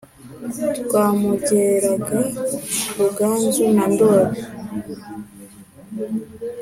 twamugeraga ruganzu na ndori